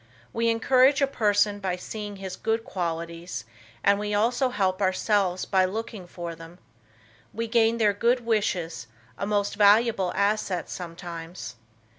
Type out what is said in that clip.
We encourage a person by seeing his good qualities and we also help ourselves by looking for them. We gain their good wishes, a most valuable asset sometimes.